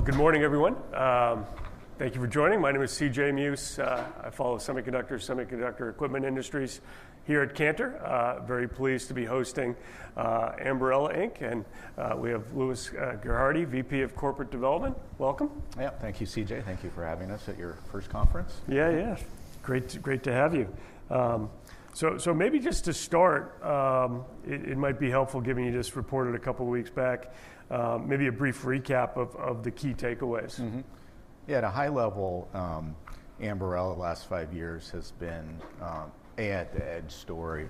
Good morning, everyone. Thank you for joining. My name is C.J. Muse. I follow semiconductors, semiconductor equipment industries here at Cantor. Very pleased to be hosting Ambarella Inc. And we have Louis Gerhardy, VP of Corporate Development. Welcome. Yeah, thank you, C.J. Thank you for having us at your first conference. Yeah, yeah. Great to have you. Maybe just to start, it might be helpful given you just reported a couple of weeks back, maybe a brief recap of the key takeaways. Yeah, at a high level, Ambarella, the last five years has been an AI at the edge story.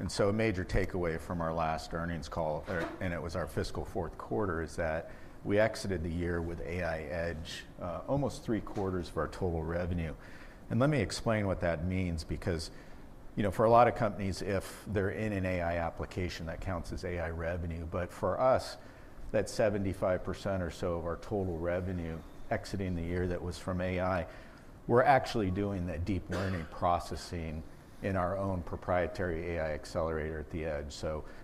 A major takeaway from our last earnings call, and it was our fiscal fourth quarter, is that we exited the year with AI Edge, almost three quarters of our total revenue. Let me explain what that means, because for a lot of companies, if they're in an AI application, that counts as AI revenue. For us, that 75% or so of our total revenue exiting the year that was from AI. We're actually doing that deep learning processing in our own proprietary AI accelerator at the Edge.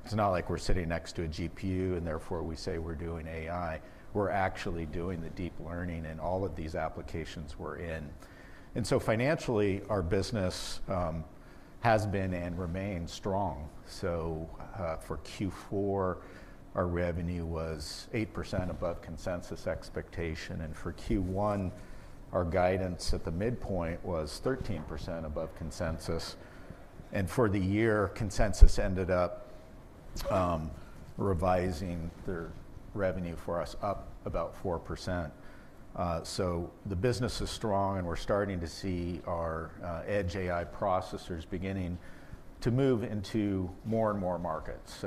It's not like we're sitting next to a GPU and therefore we say we're doing AI. We're actually doing the deep learning in all of these applications we're in. Financially, our business has been and remains strong. For Q4, our revenue was 8% above consensus expectation. For Q1, our guidance at the midpoint was 13% above consensus. For the year, consensus ended up revising their revenue for us up about 4%. The business is strong, and we're starting to see our edge AI processors beginning to move into more and more markets.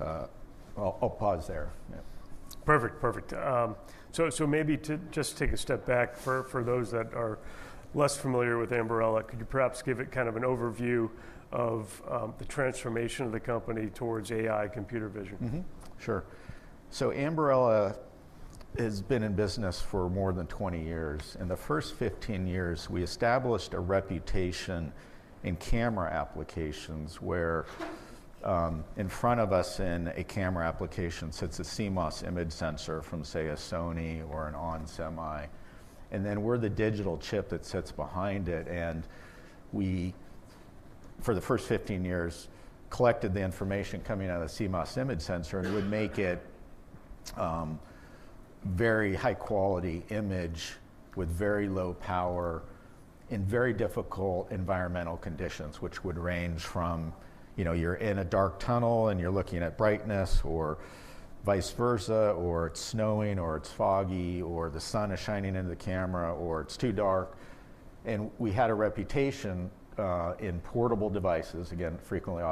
I'll pause there. Perfect, perfect. Maybe just to take a step back, for those that are less familiar with Ambarella, could you perhaps give it kind of an overview of the transformation of the company towards AI computer vision? Sure. Ambarella has been in business for more than 20 years. In the first 15 years, we established a reputation in camera applications where in front of us in a camera application sits a CMOS image sensor from, say, a Sony or an Onsemi. We are the digital chip that sits behind it. For the first 15 years, we collected the information coming out of the CMOS image sensor, and we would make it a very high-quality image with very low power in very difficult environmental conditions, which would range from you are in a dark tunnel and you are looking at brightness or vice versa, or it is snowing or it is foggy or the sun is shining into the camera or it is too dark. We had a reputation in portable devices, again, frequently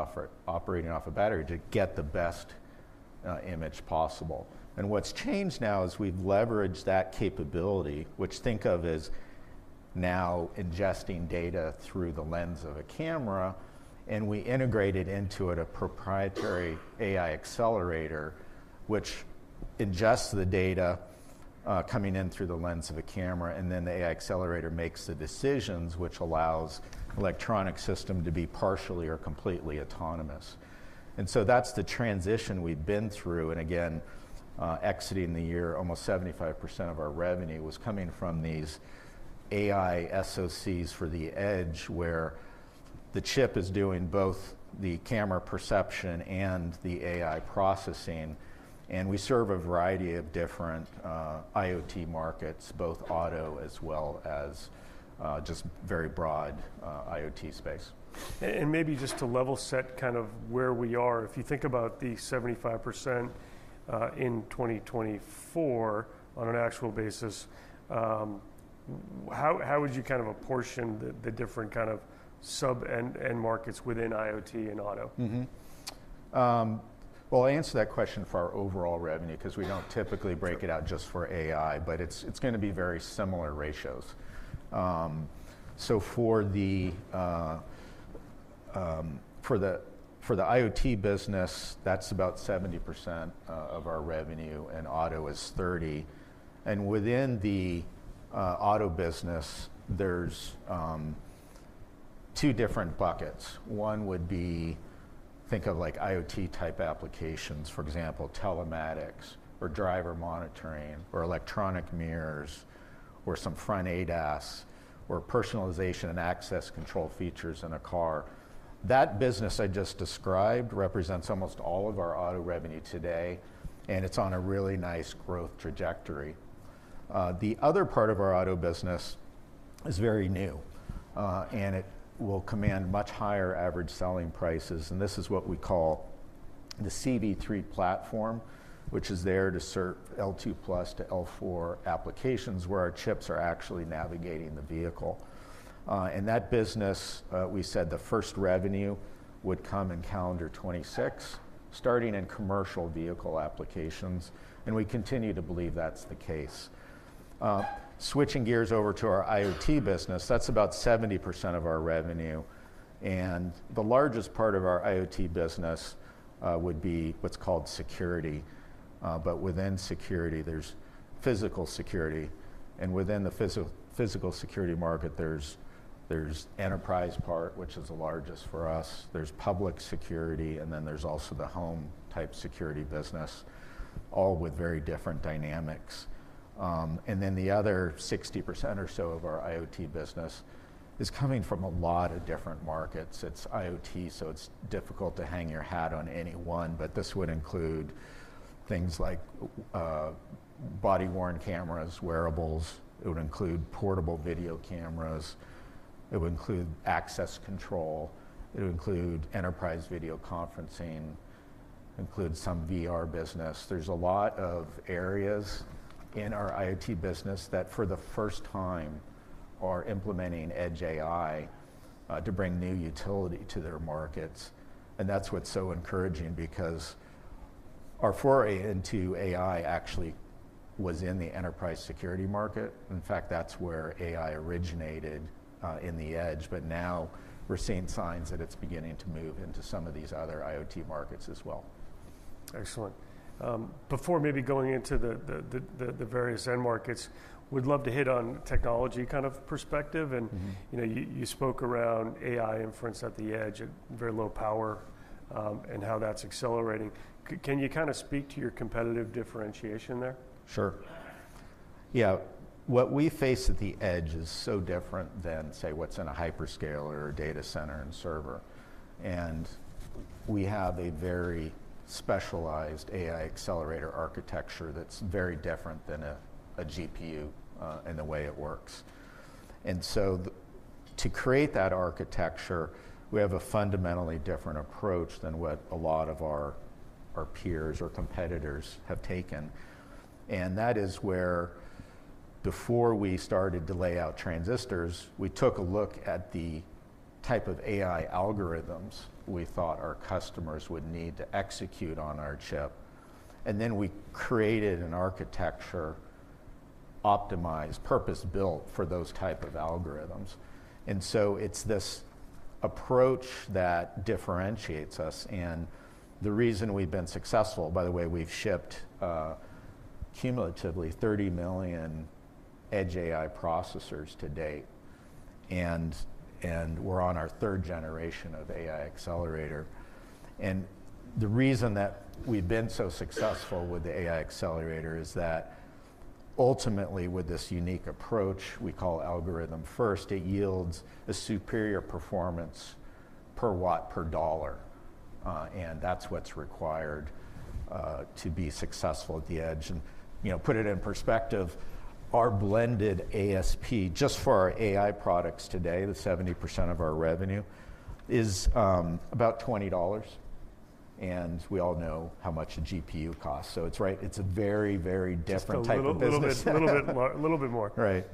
operating off a battery, to get the best image possible. What has changed now is we have leveraged that capability, which you can think of as now ingesting data through the lens of a camera. We integrated into it a proprietary AI accelerator, which ingests the data coming in through the lens of a camera. The AI accelerator makes the decisions, which allows the electronic system to be partially or completely autonomous. That is the transition we have been through. Again, exiting the year, almost 75% of our revenue was coming from these AI SoCs for the edge, where the chip is doing both the camera perception and the AI processing. We serve a variety of different IoT markets, both auto as well as just the very broad IoT space. Maybe just to level set kind of where we are, if you think about the 75% in 2024 on an actual basis, how would you kind of apportion the different kind of sub-end markets within IoT and auto? I'll answer that question for our overall revenue, because we don't typically break it out just for AI. It's going to be very similar ratios. For the IoT business, that's about 70% of our revenue, and auto is 30%. Within the auto business, there are two different buckets. One would be, think of like IoT type applications, for example, telematics or driver monitoring or electronic mirrors or some front ADAS or personalization and access control features in a car. That business I just described represents almost all of our auto revenue today, and it's on a really nice growth trajectory. The other part of our auto business is very new, and it will command much higher average selling prices. This is what we call the CV3 platform, which is there to serve L2+ to L4 applications where our chips are actually navigating the vehicle. That business, we said the first revenue would come in calendar 2026, starting in commercial vehicle applications. We continue to believe that's the case. Switching gears over to our IoT business, that's about 70% of our revenue. The largest part of our IoT business would be what's called security. Within security, there's physical security. Within the physical security market, there's the enterprise part, which is the largest for us. There's public security, and then there's also the home type security business, all with very different dynamics. The other 60% or so of our IoT business is coming from a lot of different markets. It's IoT, so it's difficult to hang your hat on any one. This would include things like body-worn cameras, wearables. It would include portable video cameras. It would include access control. It would include enterprise video conferencing. It include some VR business. There's a lot of areas in our IoT business that for the first time are implementing Edge AI to bring new utility to their markets. That's what's so encouraging, because our foray into AI actually was in the enterprise security market. In fact, that's where AI originated in the Edge. Now we're seeing signs that it's beginning to move into some of these other IoT markets as well. Excellent. Before maybe going into the various end markets, we'd love to hit on technology kind of perspective. You spoke around AI inference at the Edge, very low power, and how that's accelerating. Can you kind of speak to your competitive differentiation there? Sure. Yeah, what we face at the Edge is so different than, say, what's in a hyperscaler or a data center and server. We have a very specialized AI accelerator architecture that's very different than a GPU in the way it works. To create that architecture, we have a fundamentally different approach than what a lot of our peers or competitors have taken. That is where before we started to lay out transistors, we took a look at the type of AI algorithms we thought our customers would need to execute on our chip. We created an architecture optimized, purpose-built for those types of algorithms. It's this approach that differentiates us. The reason we've been successful, by the way, we've shipped cumulatively 30 million Edge AI processors to date. We're on our third generation of AI accelerator. The reason that we've been so successful with the AI accelerator is that ultimately, with this unique approach we call algorithm first, it yields a superior performance per watt per dollar. That's what's required to be successful at the edge. To put it in perspective, our blended ASP just for our AI products today, the 70% of our revenue, is about $20. We all know how much a GPU costs. It's a very, very different type of business. A little bit more. Right.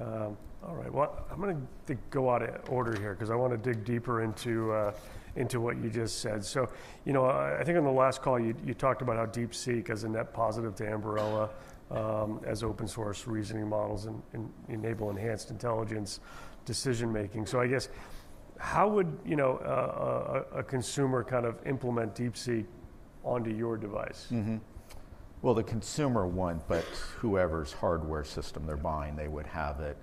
All right. I'm going to go out of order here, because I want to dig deeper into what you just said. I think on the last call, you talked about how DeepSeq has a net positive to Ambarella as open source reasoning models and enable enhanced intelligence decision making. How would a consumer kind of implement DeepSeq onto your device? The consumer wouldn't, but whoever's hardware system they're buying, they would have it.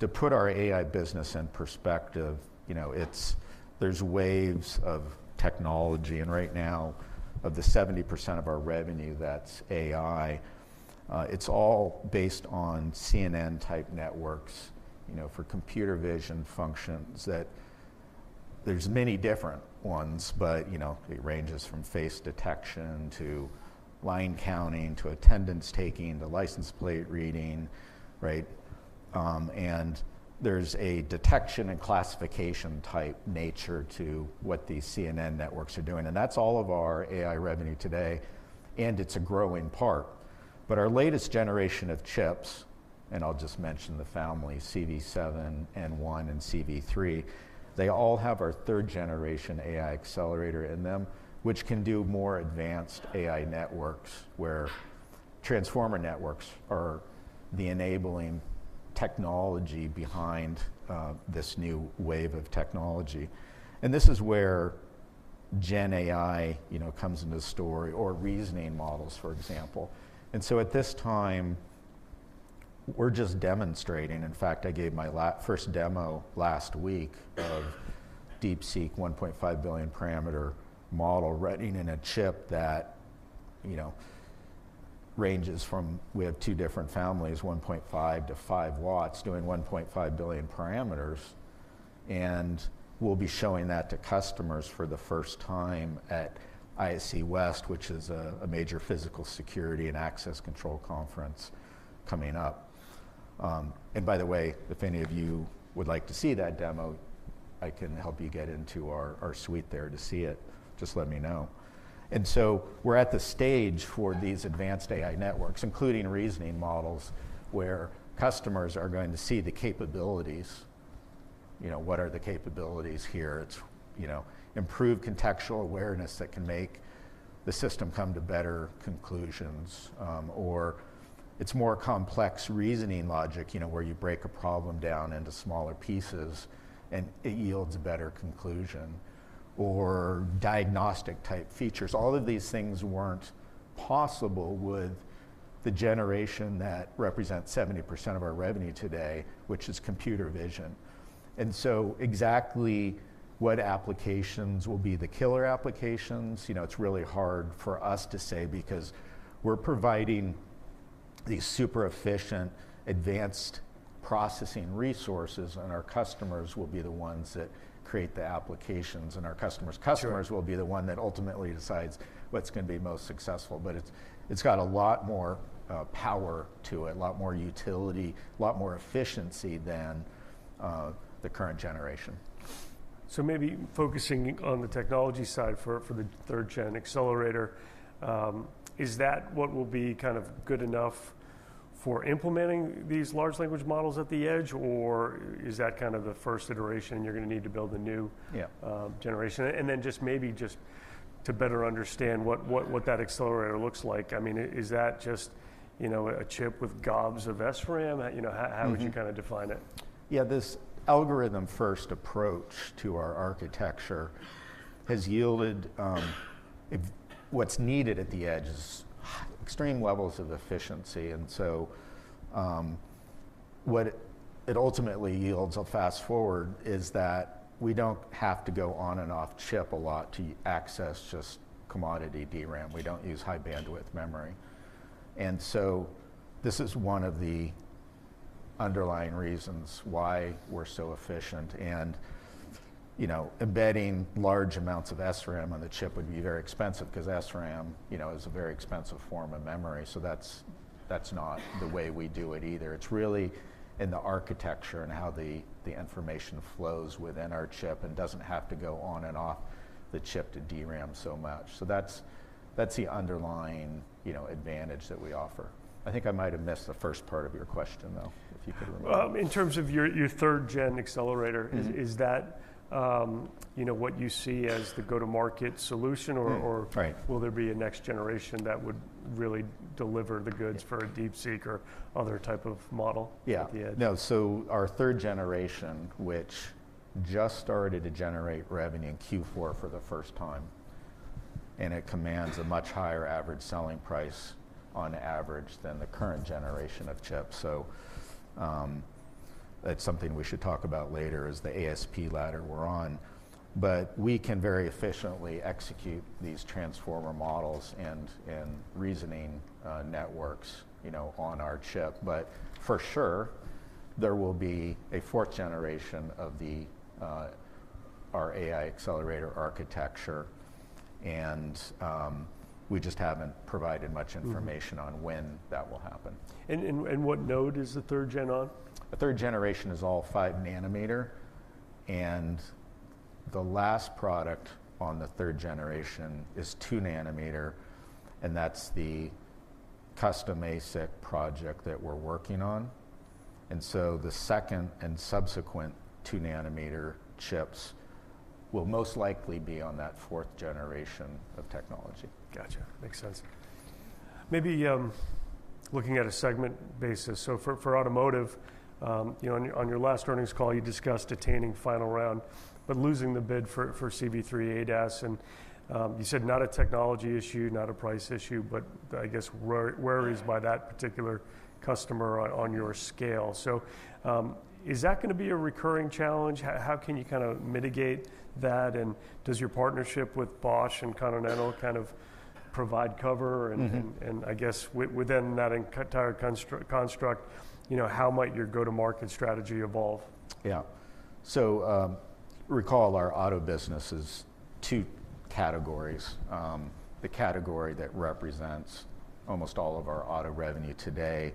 To put our AI business in perspective, there are waves of technology. Right now, of the 70% of our revenue that's AI, it's all based on CNN type networks for computer vision functions. There are many different ones, but it ranges from face detection to line counting to attendance taking to license plate reading. There is a detection and classification type nature to what these CNN networks are doing. That's all of our AI revenue today, and it's a growing part. Our latest generation of chips, and I'll just mention the family CV7, N1, and CV3, all have our third generation AI accelerator in them, which can do more advanced AI networks where transformer networks are the enabling technology behind this new wave of technology. This is where Gen AI comes into the story or reasoning models, for example. At this time, we're just demonstrating. In fact, I gave my first demo last week of DeepSeq 1.5 billion parameter model, running in a chip that ranges from, we have two different families, 1.5 watts to 5 watts, doing 1.5 billion parameters. We'll be showing that to customers for the first time at ISC West, which is a major physical security and access control conference coming up. By the way, if any of you would like to see that demo, I can help you get into our suite there to see it. Just let me know. We're at the stage for these advanced AI networks, including reasoning models, where customers are going to see the capabilities. What are the capabilities here? It's improved contextual awareness that can make the system come to better conclusions or it's more complex reasoning logic, where you break a problem down into smaller pieces and it yields a better conclusion or diagnostic type features. All of these things weren't possible with the generation that represents 70% of our revenue today, which is computer vision. Exactly what applications will be the killer applications, it's really hard for us to say, because we're providing these super efficient advanced processing resources, and our customers will be the ones that create the applications. Our customers' customers will be the one that ultimately decides what's going to be most successful. It's got a lot more power to it, a lot more utility, a lot more efficiency than the current generation. Maybe focusing on the technology side for the third-gen accelerator, is that what will be kind of good enough for implementing these large language models at the edge or is that kind of the first iteration you're going to need to build a new generation? Just maybe to better understand what that accelerator looks like, I mean, is that just a chip with gobs of SRAM? How would you kind of define it? Yeah, this algorithm first approach to our architecture has yielded what's needed at the Edge is extreme levels of efficiency. What it ultimately yields, fast forward, is that we don't have to go on and off chip a lot to access just commodity DRAM. We don't use high bandwidth memory. This is one of the underlying reasons why we're so efficient. Embedding large amounts of SRAM on the chip would be very expensive, because SRAM is a very expensive form of memory. That's not the way we do it either. It's really in the architecture and how the information flows within our chip and doesn't have to go on and off the chip to DRAM so much. That's the underlying advantage that we offer. I think I might have missed the first part of your question, though, if you could remember. In terms of your third gen accelerator, is that what you see as the go-to-market solution or will there be a next generation that would really deliver the goods for a DeepSeq or other type of model at the edge? Yeah. Our third generation, which just started to generate revenue in Q4 for the first time, and it commands a much higher average selling price on average than the current generation of chips. That is something we should talk about later is the ASP ladder we're on. We can very efficiently execute these transformer models and reasoning networks on our chip. For sure, there will be a fourth generation of our AI accelerator architecture. We just haven't provided much information on when that will happen. What node is the third gen on? The third generation is all 5 nanometer. The last product on the third generation is 2 nanometer. That is the custom ASIC project that we're working on. The second and subsequent 2 nanometer chips will most likely be on that fourth generation of technology. Got you. Makes sense. Maybe looking at a segment basis, for automotive, on your last earnings call, you discussed attaining final round, but losing the bid for CV3 ADAS. You said not a technology issue, not a price issue. Where is that particular customer on your scale? Is that going to be a recurring challenge? How can you kind of mitigate that? Does your partnership with Bosch and Continental kind of provide cover? Within that entire construct, how might your go-to-market strategy evolve? Yeah. Recall our auto business is two categories. The category that represents almost all of our auto revenue today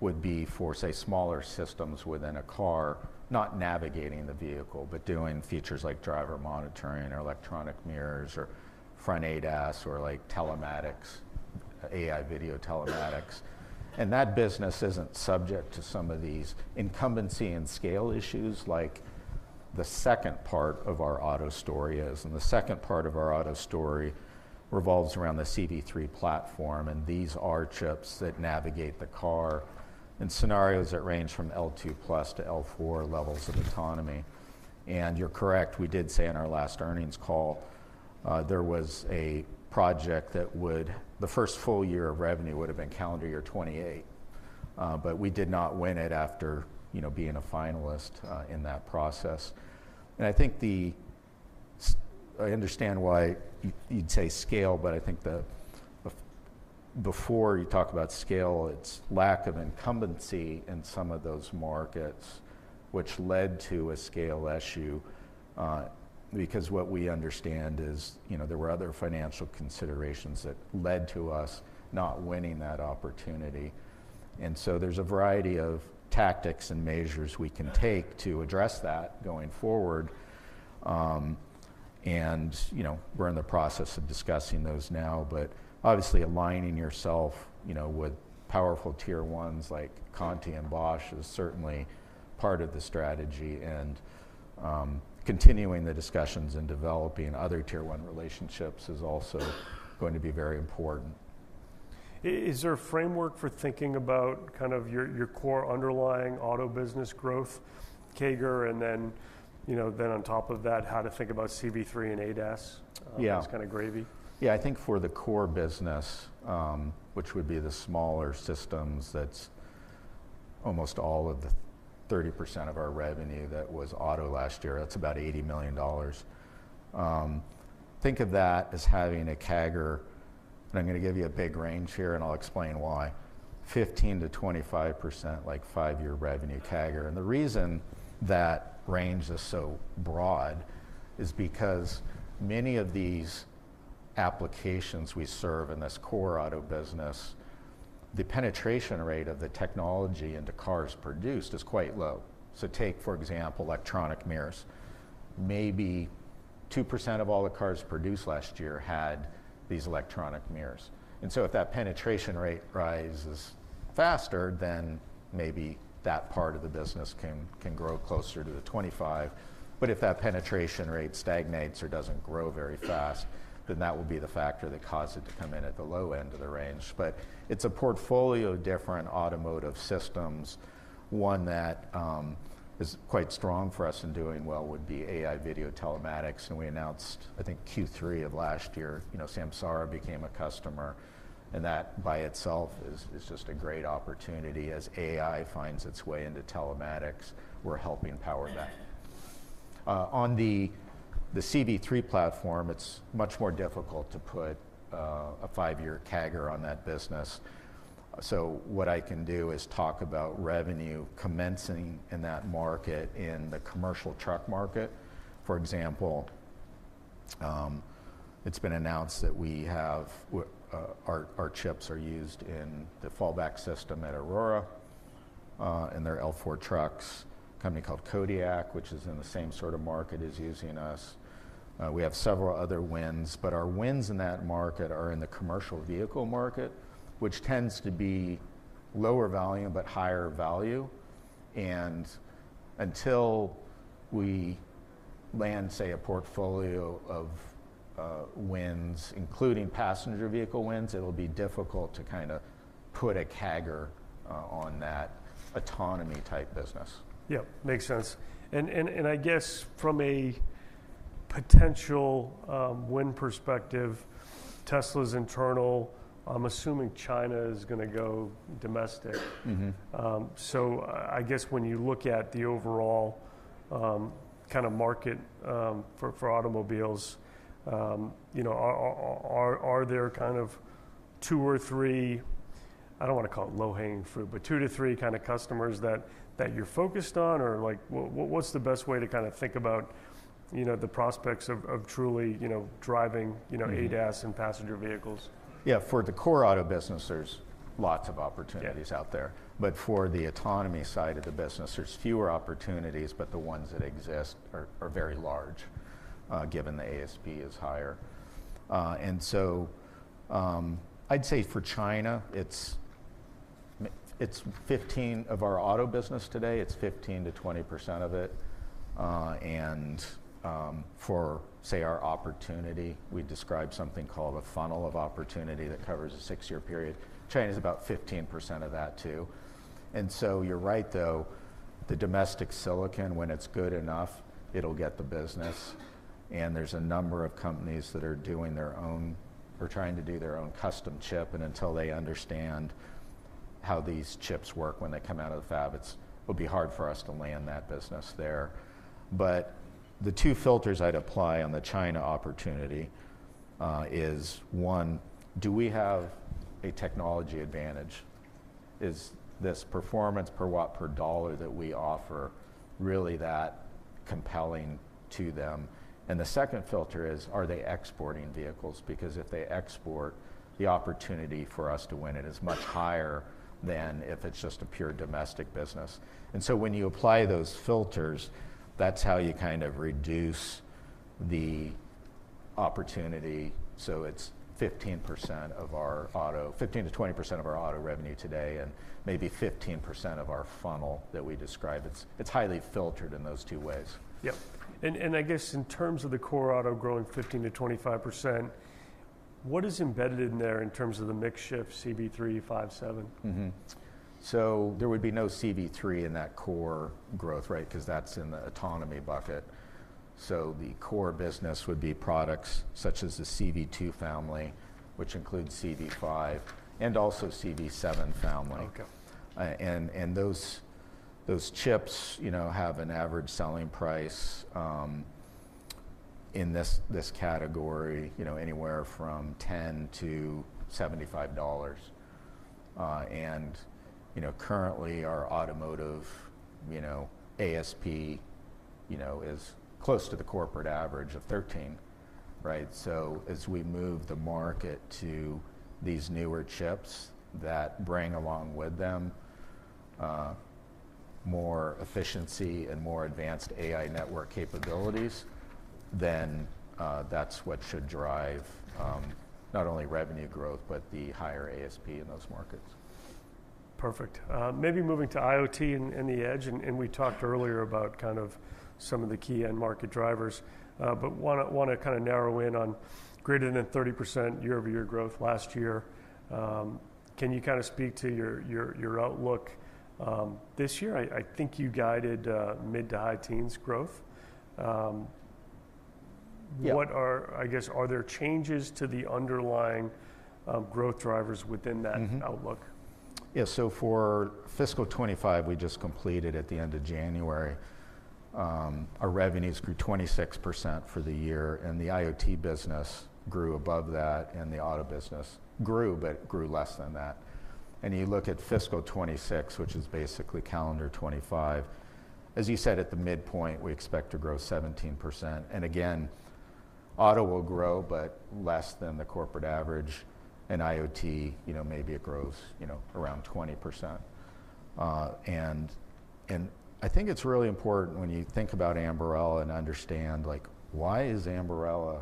would be for, say, smaller systems within a car, not navigating the vehicle, but doing features like driver monitoring or electronic mirrors or front ADAS or telematics, AI video telematics. That business isn't subject to some of these incumbency and scale issues like the second part of our auto story is. The second part of our auto story revolves around the CV3 platform. These are chips that navigate the car in scenarios that range from L2+ to L4 levels of autonomy. You're correct, we did say in our last earnings call, there was a project that would, the first full-year of revenue would have been calendar year 2028. We did not win it after being a finalist in that process. I think I understand why you'd say scale. I think before you talk about scale, it's lack of incumbency in some of those markets, which led to a scale issue. What we understand is there were other financial considerations that led to us not winning that opportunity. There is a variety of tactics and measures we can take to address that going forward. We are in the process of discussing those now. Obviously, aligning yourself with powerful tier ones like Conti and Bosch is certainly part of the strategy. Continuing the discussions and developing other tier one relationships is also going to be very important. Is there a framework for thinking about kind of your core underlying auto business growth, CAGR, and then on top of that, how to think about CV3 and ADAS? It's kind of gravy. Yeah. I think for the core business, which would be the smaller systems, that's almost all of the 30% of our revenue that was auto last year. That's about $80 million. Think of that as having a CAGR, and I'm going to give you a big range here, and I'll explain why, 15% to 25% like five-year revenue CAGR. The reason that range is so broad is because many of these applications we serve in this core auto business, the penetration rate of the technology into cars produced is quite low. Take, for example, electronic mirrors. Maybe 2% of all the cars produced last year had these electronic mirrors. If that penetration rate rises faster, then maybe that part of the business can grow closer to the 25%. If that penetration rate stagnates or does not grow very fast, then that will be the factor that caused it to come in at the low end of the range. It is a portfolio of different automotive systems. One that is quite strong for us and doing well would be AI video telematics. We announced, I think, Q3 of last year, Samsara became a customer. That by itself is just a great opportunity. As AI finds its way into telematics, we are helping power that. On the CV3 platform, it is much more difficult to put a five-year CAGR on that business. What I can do is talk about revenue commencing in that market in the commercial truck market. For example, it has been announced that our chips are used in the fallback system at Aurora in their L4 trucks. A company called Kodiak, which is in the same sort of market, is using us. We have several other wins. Our wins in that market are in the commercial vehicle market, which tends to be lower volume but higher value. Until we land, say, a portfolio of wins, including passenger vehicle wins, it will be difficult to kind of put a CAGR on that autonomy type business. Yeah. Makes sense. From a potential win perspective, Tesla's internal, I'm assuming China is going to go domestic. When you look at the overall kind of market for automobiles, are there kind of two or three, I don't want to call it low-hanging fruit, but two to three kind of customers that you're focused on? What's the best way to kind of think about the prospects of truly driving ADAS and passenger vehicles? Yeah. For the core auto business, there's lots of opportunities out there. For the autonomy side of the business, there's fewer opportunities. The ones that exist are very large, given the ASP is higher. I'd say for China, it's 15% of our auto business today. It's 15% to 20% of it. For, say, our opportunity, we describe something called a funnel of opportunity that covers a six-year period. China is about 15% of that too. You're right, though. The domestic silicon, when it's good enough, it'll get the business. There's a number of companies that are doing their own or trying to do their own custom chip. Until they understand how these chips work when they come out of the fab, it'll be hard for us to land that business there. The two filters I'd apply on the China opportunity is, one, do we have a technology advantage? Is this performance per watt per dollar that we offer really that compelling to them? The second filter is, are they exporting vehicles? Because if they export, the opportunity for us to win it is much higher than if it's just a pure domestic business. When you apply those filters, that's how you kind of reduce the opportunity. It's 15% of our auto, 15% to 20% of our auto revenue today, and maybe 15% of our funnel that we describe. It's highly filtered in those two ways. Yep. And in terms of the core auto growing 15% to 25%, what is embedded in there in terms of the mixed shift, CV3, CV5, CV7? There would be no CV3 in that core growth, right? Because that's in the autonomy bucket. The core business would be products such as the CV2 family, which includes CV5 and also CV7 family. Those chips have an average selling price in this category anywhere from $10 to $75. Currently, our automotive ASP is close to the corporate average of $13, right? As we move the market to these newer chips that bring along with them, more efficiency and more advanced AI network capabilities, that's what should drive not only revenue growth, but the higher ASP in those markets. Perfect. Maybe moving to IoT and the Edge. We talked earlier about kind of some of the key end market drivers. I want to kind of narrow in on greater than 30% year-over-year growth last year. Can you kind of speak to your outlook this year? I think you guided mid-to-high teens growth. Are there changes to the underlying growth drivers within that outlook? Yeah. For Fiscal 2025, we just completed at the end of January, our revenues grew 26% for the year. The IoT business grew above that. The auto business grew, but grew less than that. You look at Fiscal 2026, which is basically calendar 2025, as you said, at the midpoint, we expect to grow 17%. Again, auto will grow, but less than the corporate average. IoT, maybe it grows around 20%. I think it is really important when you think about Ambarella and understand, why is Ambarella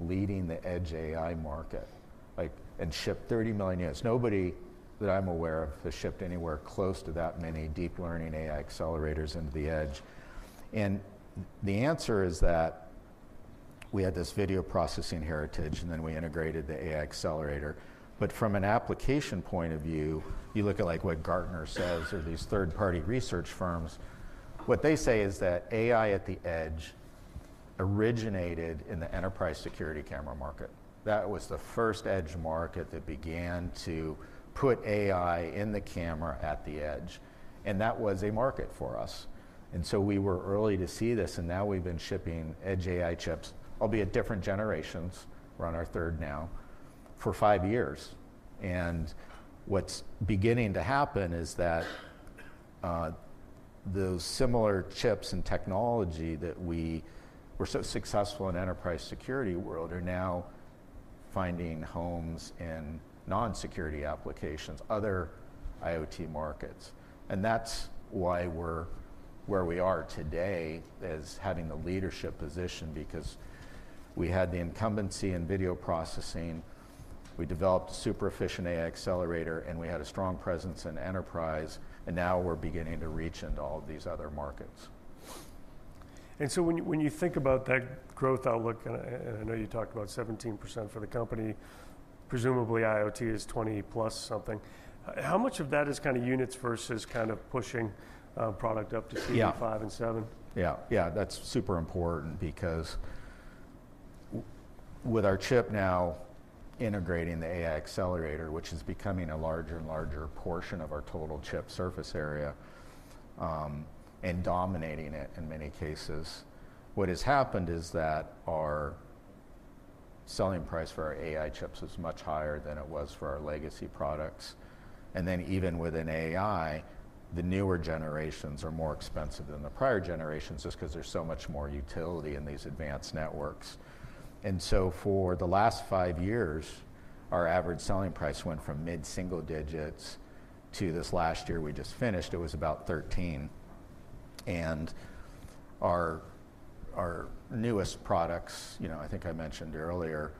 leading the Edge AI market and shipped 30 million units? Nobody that I am aware of has shipped anywhere close to that many deep learning AI accelerators into the edge. The answer is that we had this video processing heritage, and then we integrated the AI accelerator. From an application point of view, you look at what Gartner says or these third-party research firms. What they say is that AI at the edge originated in the enterprise security camera market. That was the first edge market that began to put AI in the camera at the Edge and that was a market for us. We were early to see this. Now we've been shipping edge AI chips, albeit different generations. We're on our third now for five years. What's beginning to happen is that those similar chips and technology that we were so successful in enterprise security world are now finding homes in non-security applications, other IoT markets. That's why we're where we are today as having the leadership position. We had the incumbency in video processing. We developed a super efficient AI accelerator. We had a strong presence in enterprise. Now we're beginning to reach into all of these other markets. When you think about that growth outlook, and I know you talked about 17% for the company, presumably IoT is 20% plus something. How much of that is kind of units versus kind of pushing product up to CV5 and CV7? Yeah. Yeah. Yeah. That's super important. Because with our chip now integrating the AI accelerator, which is becoming a larger and larger portion of our total chip surface area and dominating it in many cases, what has happened is that our selling price for our AI chips is much higher than it was for our legacy products. Even within AI, the newer generations are more expensive than the prior generations just because there's so much more utility in these advanced networks. For the last five years, our average selling price went from mid single digits to this last year we just finished, it was about $13. Our newest products, I think I mentioned earlier,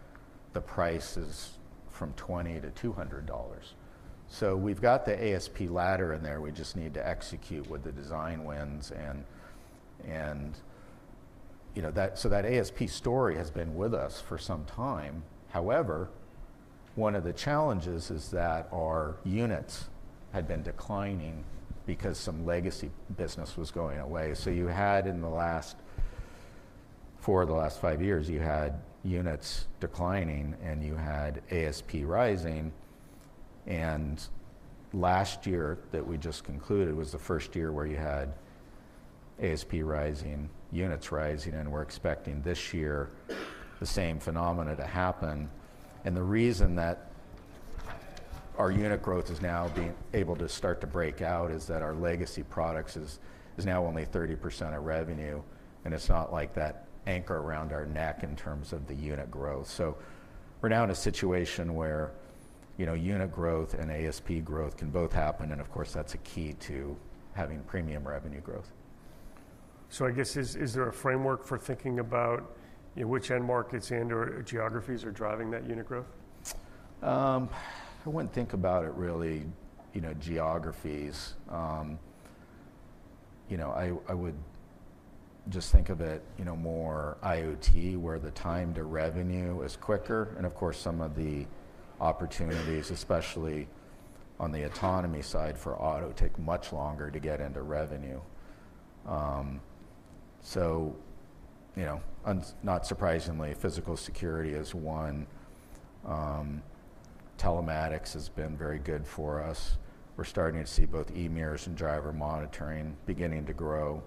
the price is from $20 to $200. We've got the ASP ladder in there. We just need to execute with the design wins. That ASP story has been with us for some time. However, one of the challenges is that our units had been declining because some legacy business was going away. You had in the last four of the last five years, you had units declining, and you had ASP rising. Last year that we just concluded was the first year where you had ASP rising, units rising. We are expecting this year the same phenomena to happen. The reason that our unit growth is now being able to start to break out is that our legacy products is now only 30% of revenue. It is not like that anchor around our neck in terms of the unit growth. We are now in a situation where unit growth and ASP growth can both happen. Of course, that is a key to having premium revenue growth. Is there a framework for thinking about which end markets and/or geographies are driving that unit growth? I wouldn't think about it really, geographies. I would just think of it more IoT, where the time to revenue is quicker. Of course, some of the opportunities, especially on the autonomy side for auto, take much longer to get into revenue. Not surprisingly, physical security is one. Telematics has been very good for us. We're starting to see both EMIR's and driver monitoring beginning to grow.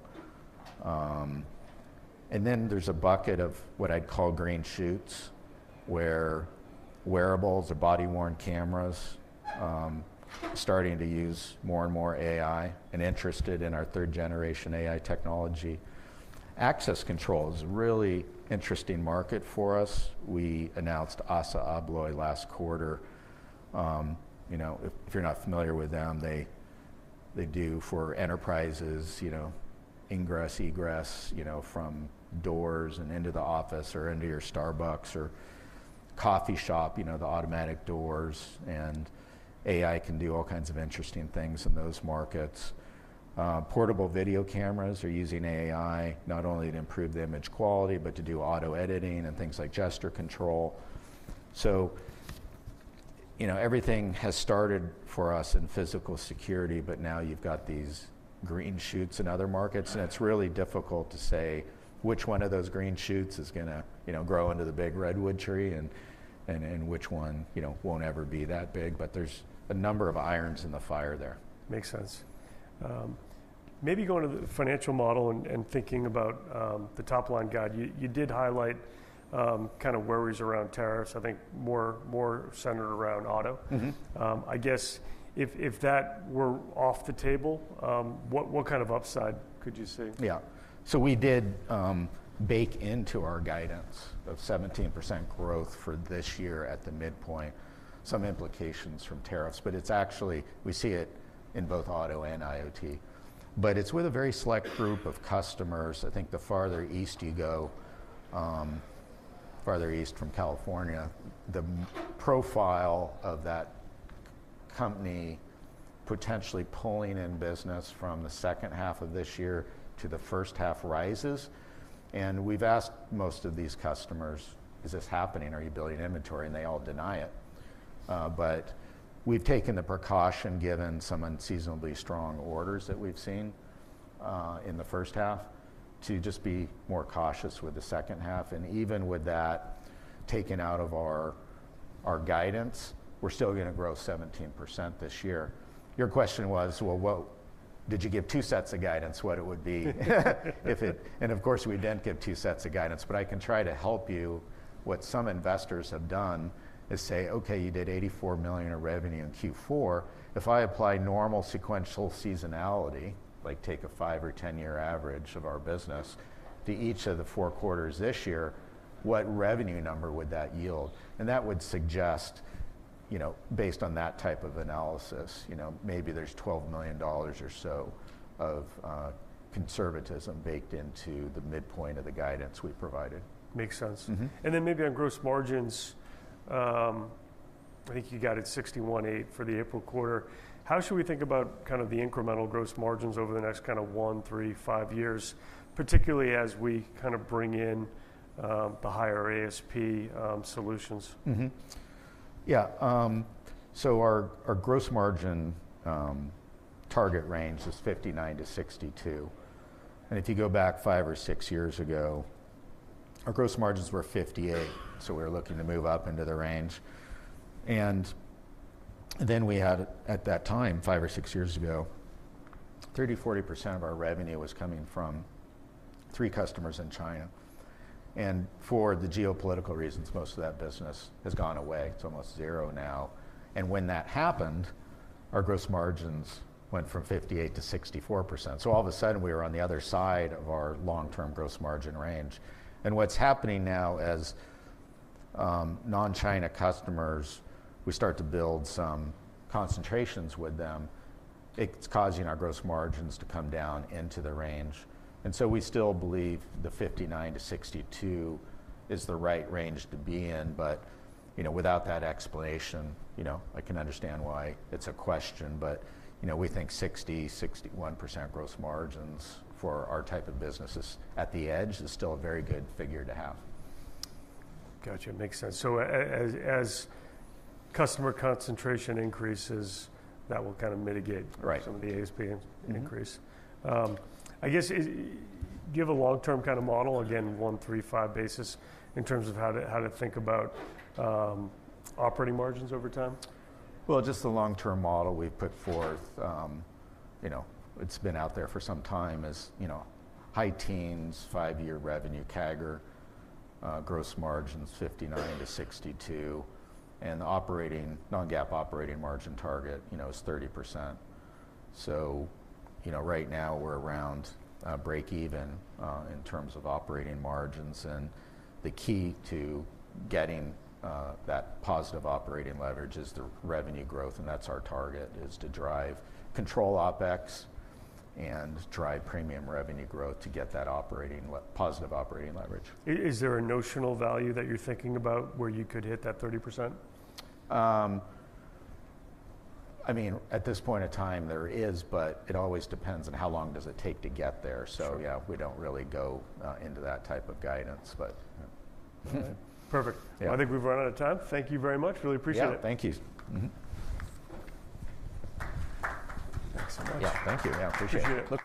There is a bucket of what I'd call green shoots, where wearables or body-worn cameras are starting to use more and more AI and interested in our third-generation AI technology. Access control is a really interesting market for us. We announced ASSA ABLOY last quarter. If you're not familiar with them, they do for enterprises, ingress, egress from doors and into the office or into your Starbucks or coffee shop, the automatic doors. AI can do all kinds of interesting things in those markets. Portable video cameras are using AI not only to improve the image quality, but to do auto editing and things like gesture control. Everything has started for us in physical security. Now you have these green shoots in other markets. It is really difficult to say which one of those green shoots is going to grow into the big redwood tree and which one will not ever be that big. There are a number of irons in the fire there. Makes sense. Maybe going to the financial model and thinking about the top line guide. You did highlight kind of worries around tariffs, I think more centered around auto. If that were off the table, what kind of upside could you see? Yeah. We did bake into our guidance of 17% growth for this year at the midpoint, some implications from tariffs. Actually, we see it in both auto and IoT. It is with a very select group of customers. I think the farther east you go, farther east from California, the profile of that company potentially pulling in business from the second half of this year to the first half rises. We have asked most of these customers, is this happening? Are you building inventory? They all deny it. We have taken the precaution given some unseasonably strong orders that we have seen in the first half to just be more cautious with the second half. Even with that taken out of our guidance, we are still going to grow 17% this year. Your question was, did you give two sets of guidance what it would be? Of course, we did not give two sets of guidance. I can try to help you. What some investors have done is say, okay, you did $84 million of revenue in Q4. If I apply normal sequential seasonality, like take a five-year or ten-year average of our business to each of the four quarters this year, what revenue number would that yield? That would suggest, based on that type of analysis, maybe there is $12 million or so of conservatism baked into the midpoint of the guidance we provided. Makes sense. Maybe on gross margins, I think you got it 61.8% for the April quarter. How should we think about kind of the incremental gross margins over the next kind of one years, three years, five years, particularly as we kind of bring in the higher ASP solutions? Yeah. Our gross margin target range is 59% to 62%. If you go back five or six years ago, our gross margins were 58%. We were looking to move up into the range. At that time, five years or six years ago, 30%-40% of our revenue was coming from three customers in China. For geopolitical reasons, most of that business has gone away. It is almost zero now. When that happened, our gross margins went from 58% to 64%. All of a sudden, we were on the other side of our long-term gross margin range. What is happening now as non-China customers, we start to build some concentrations with them. It is causing our gross margins to come down into the range. We still believe the 59% to 62% is the right range to be in. Without that explanation, I can understand why it's a question. We think 60%-61% gross margins for our type of businesses at the Edge is still a very good figure to have. Got you. Makes sense. As customer concentration increases, that will kind of mitigate some of the ASP increase. Do you have a long-term kind of model, again, one, three, five basis in terms of how to think about operating margins over time? Just the long-term model we've put forth, it's been out there for some time, is high-teens, five-year revenue CAGR, gross margins 59%-62%. The non-GAAP operating margin target is 30%. Right now, we're around break-even in terms of operating margins. The key to getting that positive operating leverage is the revenue growth. That's our target is to drive control OPEX and drive premium revenue growth to get that positive operating leverage. Is there a notional value that you're thinking about where you could hit that 30%? I mean, at this point in time, there is. It always depends on how long does it take to get there. Yeah, we do not really go into that type of guidance. Perfect. I think we've run out of time. Thank you very much. Really appreciate it. Yeah. Thank you. Thanks so much. Yeah. Thank you. Yeah. Appreciate it.